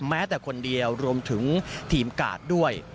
แม้แต่คนเดียวรวมถึงทีมกาดด้วย